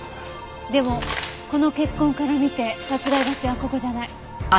でもこの血痕から見て殺害場所はここじゃない。